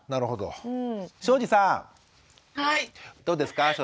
どうですか